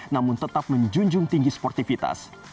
namun tetap menjunjung tinggi sportivitas